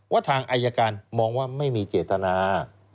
ทางอายการมองว่าไม่มีเจตนา